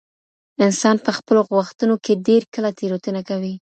انسان په خپلو غوښتنو کي ډیر کله تېروتنه کوي.